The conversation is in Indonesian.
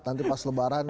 nanti pas lebaran